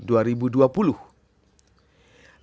lapan tahun ke dua